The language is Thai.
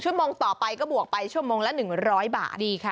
หลายชั่วโมงต่อไปก็บวกไป๑ชั่วโมงแล้ว๑๐๐บาท